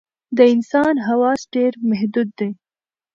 د انسان حواس ډېر محدود دي.